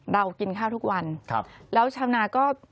เรากินข้าวทุกวันครับแล้วชาวนาก็